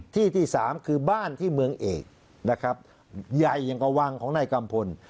ที่ที่สามคือบ้านที่เมืองเอกนะครับใหญ่อย่างกว่าวังของนายกัมพล